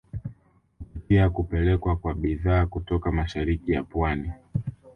Kupitia kupelekwa kwa bidhaa kutoka mashariki ya pwani